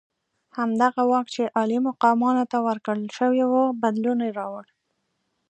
همدغه واک چې عالي مقامانو ته ورکړل شوی وو بدلون راوړ.